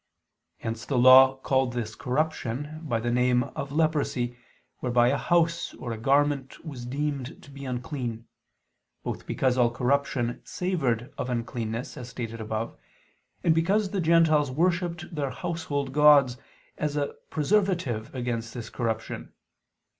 Hence the Law called this corruption by the name of leprosy, whereby a house or a garment was deemed to be unclean: both because all corruption savored of uncleanness, as stated above, and because the Gentiles worshipped their household gods as a preservative against this corruption.